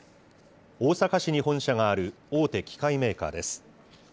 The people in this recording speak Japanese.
大阪市に本社がある大手機械メーカーです。